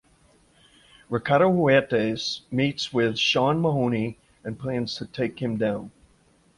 Ricardo Huertas meets with Sean Mahoney and plans to take him down.